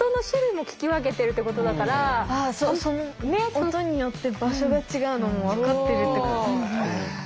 音によって場所が違うのも分かってるってことだね。